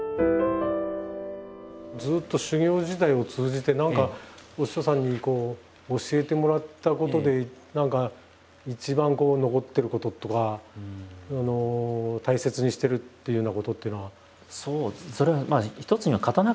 ずっと修業時代を通じて何かお師匠さんに教えてもらったことで何か一番残ってることとか大切にしてるっていうようなことっていうのは。